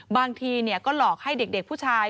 บางทีก็หลอกให้เด็กผู้ชาย